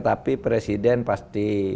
tapi presiden pasti